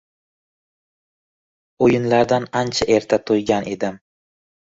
O’yinlardan ancha erta to’ygan edim